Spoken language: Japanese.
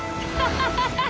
ハハハッ！